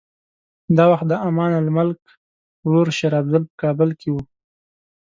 دا وخت د امان الملک ورور شېر افضل په کابل کې و.